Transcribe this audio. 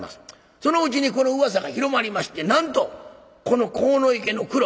そのうちにこのうわさが広まりましてなんとこの鴻池のクロ